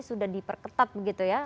sudah diperketat begitu ya